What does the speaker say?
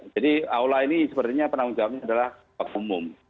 jadi aula ini sebenarnya penanggung jawabnya adalah kapak umum